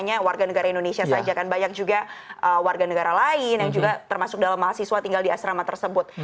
hanya warga negara indonesia saja kan banyak juga warga negara lain yang juga termasuk dalam mahasiswa tinggal di asrama tersebut